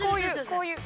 こういう。